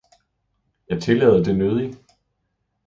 Jeg tillader det nødig!